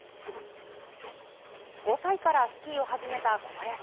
５歳からスキーを始めた小林。